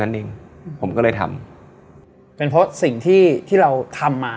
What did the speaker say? เองผมก็เลยทำเป็นเพราะสิ่งที่ที่เราทำมา